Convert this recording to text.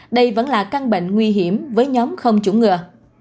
đây vẫn là căng bệnh nguy hiểm với nhóm không chủng ngừa